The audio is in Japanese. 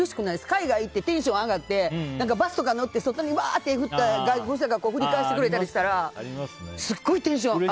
海外行ってテンション上がってバスとか乗って外に手振って外国の人が振り返してくれたりしたらすっごいテンション。